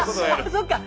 そっか。